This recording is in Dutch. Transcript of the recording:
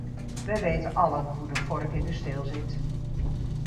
Wij weten allen hoe de vork in de steel zit.